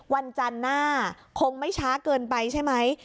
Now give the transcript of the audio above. วันจันทร์หน้าคงไม่ช้าเกินไปใช่ไหม